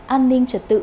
an ninh trật tự